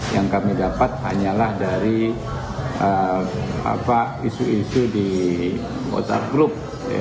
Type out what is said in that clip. yang kami dapat hanyalah dari isu isu di whatsapp group